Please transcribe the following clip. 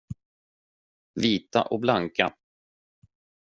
Vita och blanka.